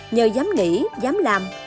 nhờ dám nghĩ dám làm